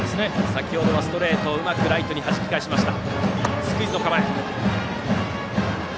先ほどはストレートをうまくライトにはじき返しました。